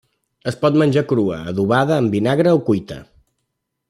Es pot menjar crua, adobada en vinagre o cuita.